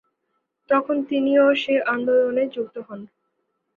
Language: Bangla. তখন তিনিও সে আন্দোলনে যুক্ত হন।